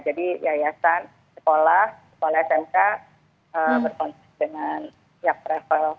jadi yayasan sekolah sekolah smk berkontrak dengan pihak travel